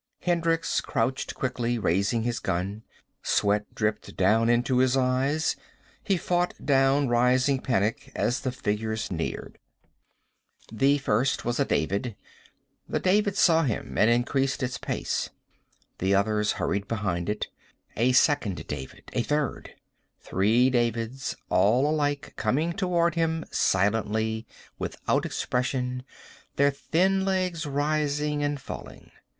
Hendricks crouched quickly, raising his gun. Sweat dripped down into his eyes. He fought down rising panic, as the figures neared. The first was a David. The David saw him and increased its pace. The others hurried behind it. A second David. A third. Three Davids, all alike, coming toward him silently, without expression, their thin legs rising and falling.